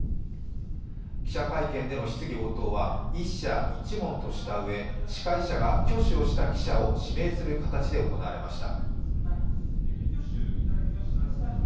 記者会見での質疑応答は１社１問としたうえ司会者が挙手をした記者を指名する形で行われました。